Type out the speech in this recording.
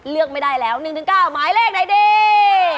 เลือกไม่ได้แล้ว๑๙หมายเลขไหนดี